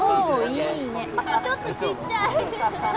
ちょっとちっちゃい！